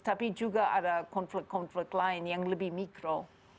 tapi juga ada konflik konflik lain yang lebih mikro